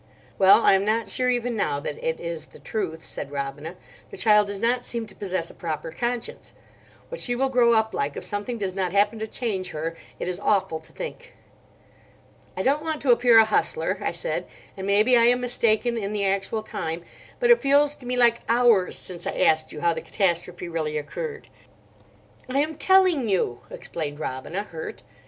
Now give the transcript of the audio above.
"Well, I am not sure even now that it is the truth," said Robina—"the child does not seem to possess a proper conscience. What she will grow up like, if something does not happen to change her, it is awful to think." "I don't want to appear a hustler," I said, "and maybe I am mistaken in the actual time, but it feels to me like hours since I asked you how the catastrophe really occurred." "I am telling you," explained Robina, hurt.